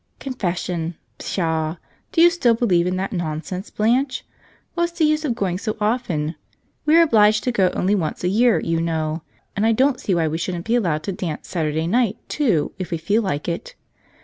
"Confession ! Pshaw! Do you still believe in that nonsense, Blanche? What's the use of going so often? We are obliged to go only once a year, you know. And I don't see why we shouldn't be allowed to dance Saturday night, too, if we feel like it.